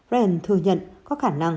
ryan thừa nhận